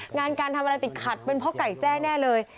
งานการทำอะไรติดขัดเป็นเพราะไก่แจ้แน่เลย